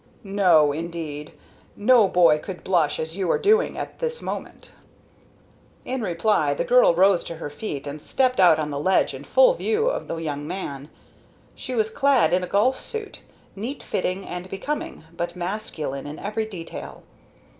"No, indeed. No boy could blush as you are doing at this moment." In reply, the girl rose to her feet and stepped out on the ledge in full view of the young man. She was clad in a golf suit, neat fitting and becoming, but masculine in every detail.